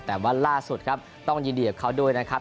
แต่ว่าล่าสุดครับต้องยินดีกับเขาด้วยนะครับ